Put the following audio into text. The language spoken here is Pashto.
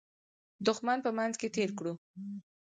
دښمن په منځ کې تېر کړو.